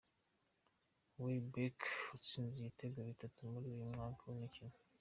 Welbeck yatsinze ibitego bitanu muri uyu mwaka w'imikino.